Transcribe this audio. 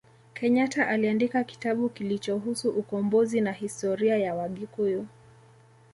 kenyata aliandika kitabu kilichohusu ukombozi na historia ya wagikuyu